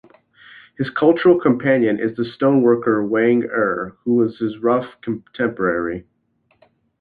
His cultural companion is the stoneworker Wang Er, who was his rough contemporary.